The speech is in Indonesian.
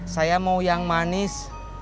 saya mau yang manis